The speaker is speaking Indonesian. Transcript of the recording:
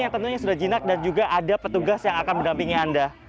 yang tentunya sudah jinak dan juga ada petugas yang akan mendampingi anda